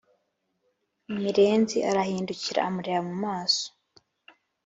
mirenzi arahindukira amureba mumaso